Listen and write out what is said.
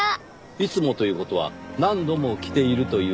いつもという事は何度も来ているという事ですか？